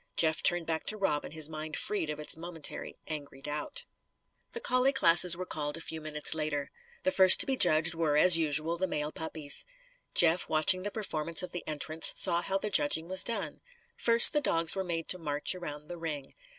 Jeff turned back to Robin, his mind freed of its momentary angry doubt. The collie classes were called a few minutes later. The first to be judged were, as usual, the male puppies. Jeff, watching the performance of the entrants, saw how the judging was done. First the dogs were made to march around the ring.